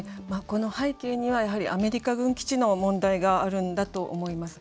この背景にはやはりアメリカ軍基地の問題があるんだと思います。